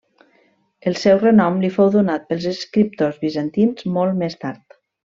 El seu renom li fou donat pels escriptors bizantins molt més tard.